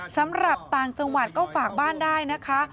สำหรับต่างจังหวัดก็ฝากบ้านได้นะคะ